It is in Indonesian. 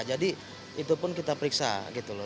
jadi itu pun kita periksa gitu loh